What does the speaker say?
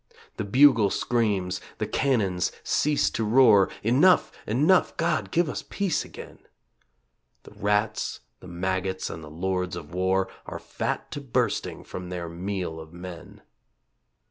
The bugle screams, the cannons cease to roar. "Enough! enough! God give us peace again." The rats, the maggots and the Lords of War Are fat to bursting from their meal of men.